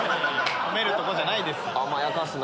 褒めるとこじゃないです。